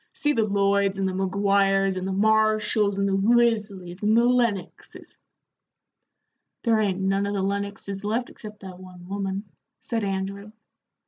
See the Lloyds and the Maguires and the Marshalls and the Risleys and the Lennoxes " "There ain't none of the Lennoxes left except that one woman," said Andrew.